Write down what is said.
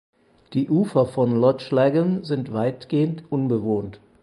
Die Ufer von Loch Laggan sind weitgehend unbewohnt.